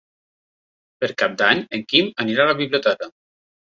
Per Cap d'Any en Quim anirà a la biblioteca.